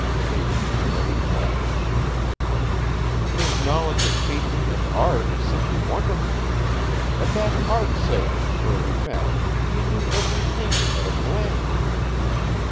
Sadie made no reply. "His knowledge of painting and art is simply wonderful. At that art sale, where we met, he knew every painting at a glance.